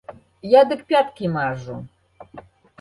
Я дык пяткі мажу.